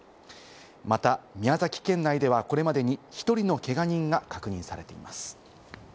また、宮崎県内ではこれまでに１人のけが人が確認されています。